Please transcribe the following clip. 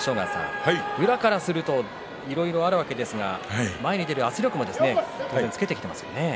宇良からするといろいろあるわけですが前に出る圧力もつけてきていますよね。